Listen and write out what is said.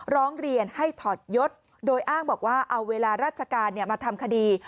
ร้องเรียนให้ถอดยศโดยอ้างบอกว่าเอาเวลาราชการมาทำคดี